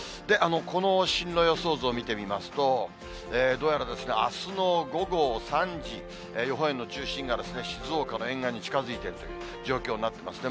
この進路予想図を見てみますと、どうやらですね、あすの午後３時、予報円の中心が静岡の沿岸に近づいてくるという状況になってますね。